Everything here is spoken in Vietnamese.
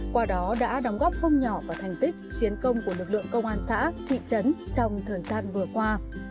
qua đó đã đóng góp không nhỏ vào thành tích chiến công của lực lượng công an xã thị trấn trong thời gian vừa qua